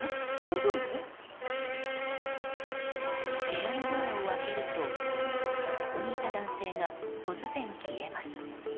部屋のドアを開けるとそこにいた男性が突然消えます。